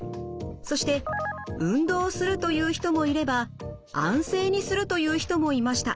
そして運動するという人もいれば安静にするという人もいました。